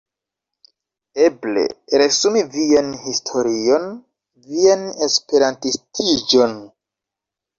Eble resumi vian historion, vian esperantistiĝon.